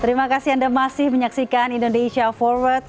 terima kasih anda masih menyaksikan indonesia forward